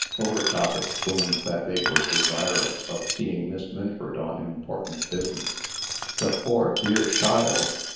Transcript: Overtop explained that they were desirous of seeing Miss Minford on important business. "The poor, dear child!"